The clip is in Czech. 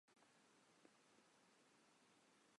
Ještě stále neznám výsledky politiky venkova.